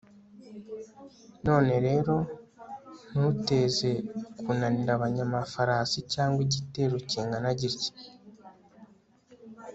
none rero, ntuteze kunanira abanyamafarasi cyangwa igitero kingana gitya